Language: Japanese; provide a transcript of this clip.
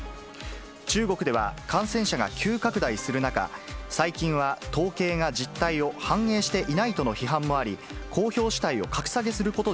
中国では感染者が急拡大する中、最近は統計が実態を反映していないとの批判が高まっていました。